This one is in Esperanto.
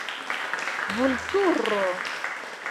Vulturo!